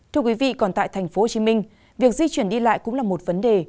thưa quý vị còn tại tp hcm việc di chuyển đi lại cũng là một vấn đề